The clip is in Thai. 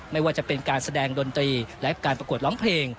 ไม่ว่าจะเป็นการแสดงดนตรีและการประกวดร้องเพลง